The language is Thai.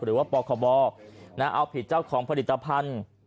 หรือว่าปคบเอาผิดเจ้าของผลิตภัณฑ์